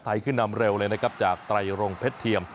ขึ้นนำเร็วเลยนะครับจากไตรรงเพชรเทียม